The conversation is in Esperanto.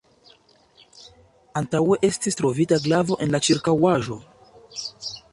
Antaŭe estis trovita glavo en la ĉirkaŭaĵo.